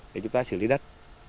để chúng ta xử lý đất